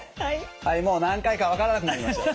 はいもう何回か分からなくなりました。